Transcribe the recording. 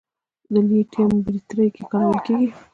د لیتیم بیټرۍ کې کارول کېږي.